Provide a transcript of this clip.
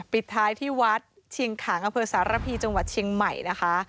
ปิดท้ายที่วัดเชียงขางอำเภอสารพีจังหวัดเชียงใหม่นะคะ